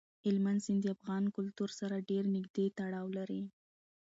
هلمند سیند د افغان کلتور سره ډېر نږدې تړاو لري.